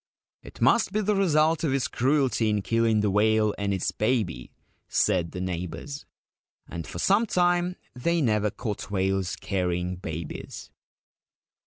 ' It must be the result of his cruelty in killing the whale and its baby/ said the neighbours ; and for some time they never caught whales carrying babies.